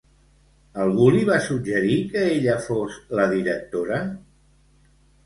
Algú li va suggerir que ella fos la directora?